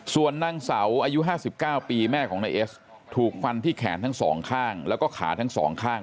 ส่วนนางเสาอายุ๕๙ปีแม่ของนายเอสถูกฟันที่แขนทั้งสองข้างแล้วก็ขาทั้งสองข้าง